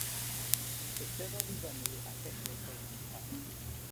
Eisteddodd i fyny ac edrych o'i chwmpas.